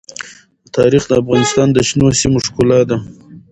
تاریخ د افغانستان د شنو سیمو ښکلا ده.